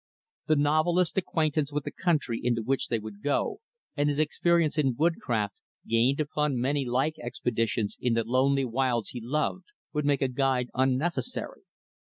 The novelist's acquaintance with the country into which they would go, and his experience in woodcraft gained upon many like expeditions in the lonely wilds he loved would make a guide unnecessary.